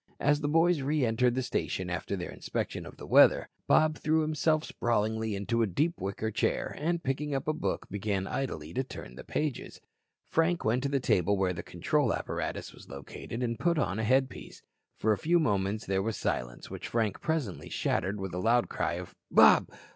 As the boys re entered the station after their inspection of the weather, Bob threw himself sprawlingly into a deep wicker chair and, picking up a book, began idly to turn the pages. Frank went to the table where the control apparatus was located and put on a headpiece. For a few moments there was silence, which Frank presently shattered with a loud cry of: "Bob.